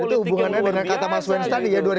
dan itu hubungannya dengan kata mas wenz tadi ya